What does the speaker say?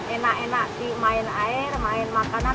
enak enak main air main makan